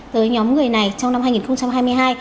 tới nhóm người này trong năm hai nghìn hai mươi hai